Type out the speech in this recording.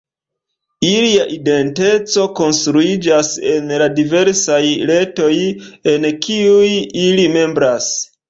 Ilia identeco konstruiĝas en la diversaj retoj en kiuj ili membras.